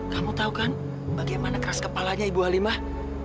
kamu tahu kan bagaimana keras kepalanya ibu halimah